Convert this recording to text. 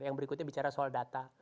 yang berikutnya bicara soal data